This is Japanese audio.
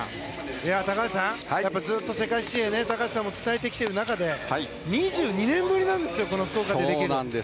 高橋さん、ずっと世界水泳高橋さんも伝えてきている中で２２年ぶりなんですよ福岡でできるの。